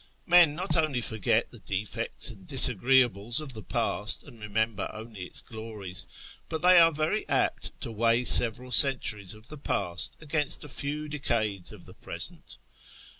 Men not only forget the defects and disagreeables of the past, and remember only its glories, but they are very apt to weigh several centuries of the Past against a few decades of the Present.